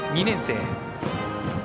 ２年生。